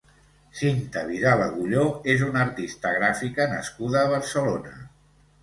Cinta Vidal Agulló és una artista gràfica nascuda a Barcelona.